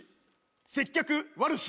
接客悪し。